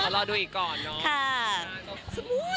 อ๋อรอดูอีกก่อนน้อง